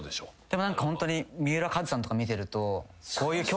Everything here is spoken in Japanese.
でも何かホントに三浦カズさんとか見てると。